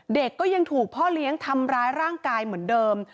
เด็กก็ยังถูกพ่อเลี้ยงทำร้ายร่างกายเหมือนเดิม